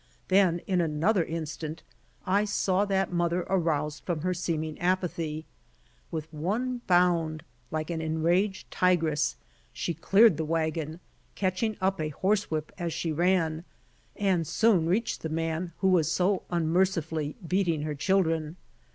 Then in another instant I saw that mother aroused from her seeming apathy. With one bound, like an enraged tigress, she cleared the wagon, catching up a horse whip as she ran, and soon reached the man, who was so unmercifully beating her children.